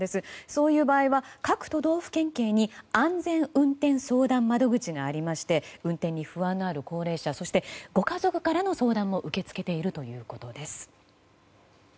そういう場合は、各都道府県警に安全運転相談窓口がありまして運転に不安のある高齢者そしてご家族からの相談も受け付けているということです。